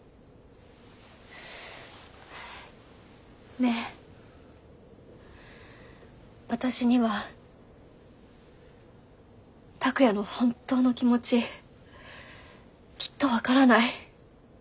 ねえ私には拓哉の本当の気持ちきっと分からない。